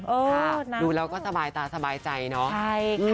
เออดูแล้วก็สบายตาสบายใจเนาะ